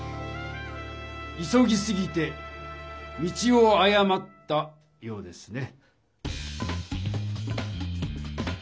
急ぎすぎて道をあやまったようですね。